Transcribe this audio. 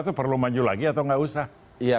itu perlu maju lagi atau nggak usah